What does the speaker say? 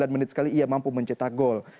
sembilan menit sekali ia mampu mencetak gol